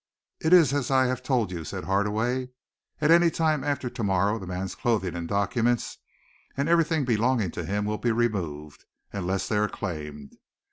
"It is as I have told you," said Hardaway. "At any time after to morrow, the man's clothing and documents, and everything belonging to him, will be removed, unless they are claimed.